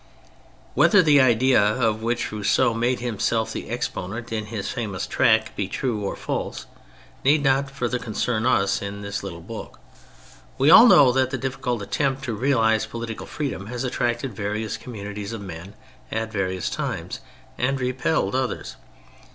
Whether the idea of which Rousseau made himself the exponent in his famous tract be true or false, need not further concern us in this little book. We all know that the difficult at tempt to realise political freedom has attracted various communities of men at various times and repelled others.